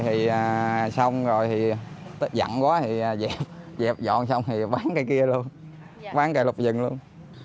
thì xong rồi thì giận quá thì dẹp dẹp dọn xong thì bán cái kia luôn bán cái lục dừng luôn